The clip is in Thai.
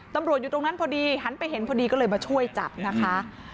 อยู่ตรงนั้นพอดีหันไปเห็นพอดีก็เลยมาช่วยจับนะคะ